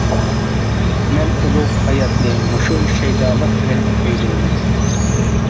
مەن ئۇلۇغ ھاياتنى مۇشۇ شەيدالىق بىلەن كۈيلەيمەن.